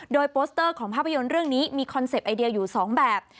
โดยโปสเตอร์ของภาพยนตร์เรื่องนี้มีคอนเซ็ปต์ไอเดียอยู่๒แบบ